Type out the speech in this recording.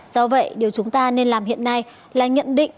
do vậy điều chúng ta nên làm hiện nay là nhận định